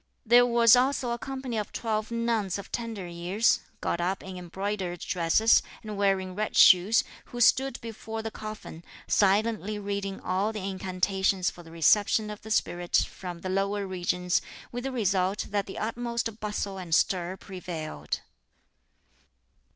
There was also a company of twelve nuns of tender years, got up in embroidered dresses, and wearing red shoes, who stood before the coffin, silently reading all the incantations for the reception of the spirit (from the lower regions,) with the result that the utmost bustle and stir prevailed.